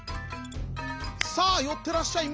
「さあよってらっしゃい。